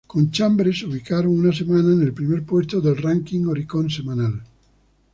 Con Chambre se ubicaron una semana en el primer puesto del ranking Oricon semanal.